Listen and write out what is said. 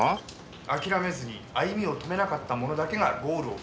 諦めずに歩みを止めなかった者だけがゴールを踏む事が出来る。